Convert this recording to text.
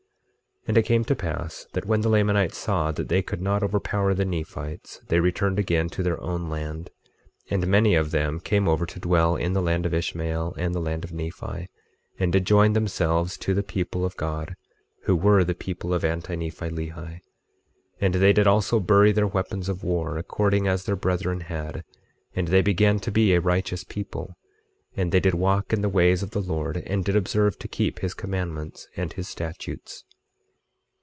25:13 And it came to pass that when the Lamanites saw that they could not overpower the Nephites they returned again to their own land; and many of them came over to dwell in the land of Ishmael and the land of Nephi, and did join themselves to the people of God, who were the people of Anti Nephi Lehi. 25:14 And they did also bury their weapons of war, according as their brethren had, and they began to be a righteous people; and they did walk in the ways of the Lord, and did observe to keep his commandments and his statutes.